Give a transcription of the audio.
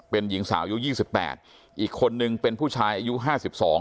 เป็นหญิงสาวอายุยี่สิบแปดอีกคนนึงเป็นผู้ชายอายุห้าสิบสอง